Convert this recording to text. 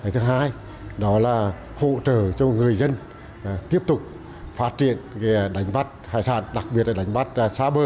thứ hai đó là hỗ trợ cho người dân tiếp tục phát triển đánh bắt hải sản đặc biệt là đánh bắt xa bờ